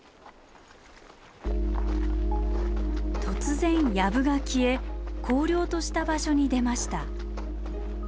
突然やぶが消え荒涼とした場所に出ました。